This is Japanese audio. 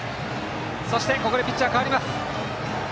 そしてピッチャーが代わります。